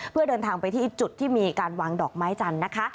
เพื่อเดินทางไปที่จุดที่มีการวางดอกไม้จันทร์นะคะ